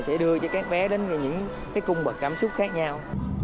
sẽ đưa cho các bé đến những cung bậc cảm xúc khác nhau